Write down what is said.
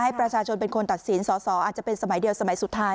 ประชาชนเป็นคนตัดสินสอสออาจจะเป็นสมัยเดียวสมัยสุดท้าย